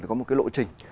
có một cái lộ trình